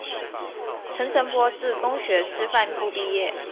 陳澄波自公學師範部畢業